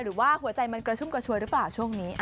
หรือว่าหัวใจมันกระชุ่มกระชวยหรือเปล่าช่วงนี้